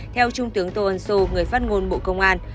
theo trung tướng tô ân sô người phát ngôn bộ công an